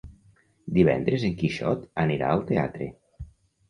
Divendres en Quixot anirà al teatre.